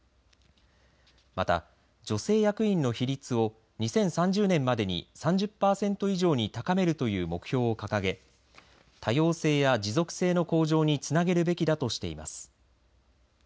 また、女性役員の比率を２０３０年までに３０パーセント以上に高めるという目標を掲げ多様性や持続性の向上につなげるべきだとしています。